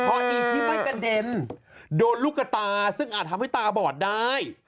เพราะดีที่ไม่กระเด็นโดนลูกกระตาซึ่งอาจทำให้ตาบอดได้